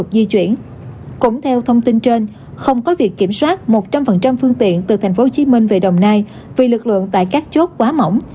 cũng theo thông tin trên không có việc kiểm soát một trăm linh phương tiện từ tp hcm về đồng nai vì lực lượng tại các chốt quá mỏng